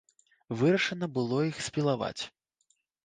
Вырашана было іх спілаваць.